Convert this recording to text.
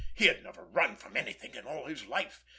He had never run from anything in all his life!